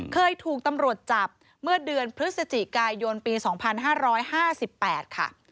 เคยถูกตำรวจจับเมื่อเดือนพฤศจิกายนปี๒๕๕๘ค่ะ